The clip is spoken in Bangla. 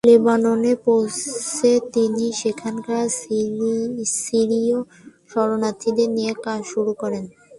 লেবাননে পৌঁছে তিনি সেখানকার সিরীয় শরণার্থীদের নিয়ে কাজ শুরু করেন।